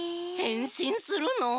へんしんするの？